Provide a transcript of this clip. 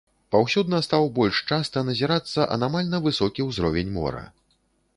Паўсюдна стаў больш часта назірацца анамальна высокі ўзровень мора.